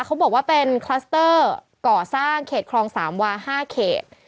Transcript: เขาบอกว่าเป็นคลัสเตอร์ก่อสร้างเขตคลองสามวา๕เขต